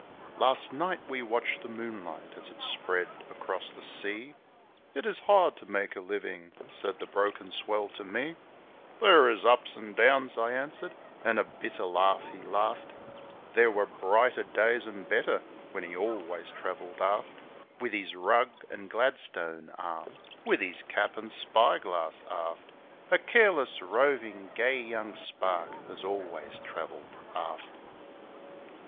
Last night we watched the moonlight as it spread across the sea "It is hard to make a livin'," said the broken swell to me, "There is ups and downs," I answered, an' a bitter laugh he laughed There were brighter days an' better when he always travelled aft With his rug an' gladstone, aft, With his cap an' spyglass, aft A careless, rovin', gay young spark as always travelled aft.